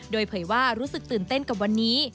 โดยเผยว่ารู้สึกตื่นเต้นกับวันนี้